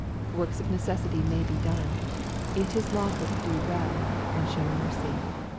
Works of necessity may be done. " It is lawful to do well," and show mercy.